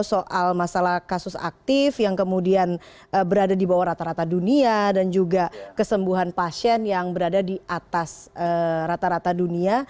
soal masalah kasus aktif yang kemudian berada di bawah rata rata dunia dan juga kesembuhan pasien yang berada di atas rata rata dunia